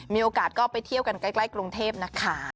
มีโอกาสก็ไปเที่ยวกันใกล้กรุงเทพนะคะ